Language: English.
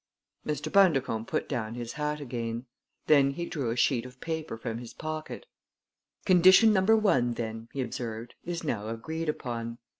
Mr. Bundercombe put down his hat again. Then he drew a sheet of paper from his pocket. "Condition number one, then," he observed, "is now agreed upon.